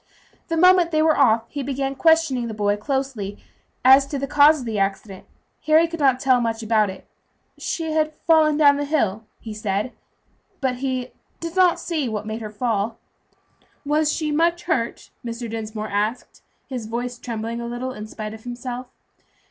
The moment they were off he began questioning the boy closely as to the cause of the accident. Harry could not tell much about it. "She had fallen down the hill," he said, "but he did not see what made her fall." "Was she much hurt?" Mr. Dinsmore asked, his voice trembling a little in spite of himself.